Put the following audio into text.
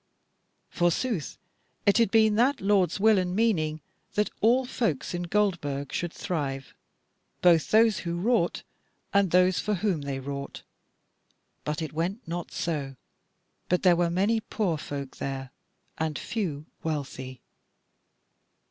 Forsooth it had been that lord's will and meaning that all folks in Goldburg should thrive, both those who wrought and those for whom they wrought. But it went not so, but there were many poor folk there, and few wealthy.